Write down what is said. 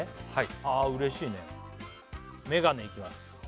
ああうれしいねメガネいきます